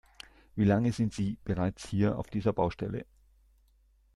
Wie lange sind sie bereits hier auf dieser Baustelle?